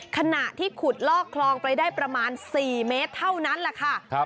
ขณะที่ขุดลอกคลองไปได้ประมาณ๔เมตรเท่านั้นแหละค่ะ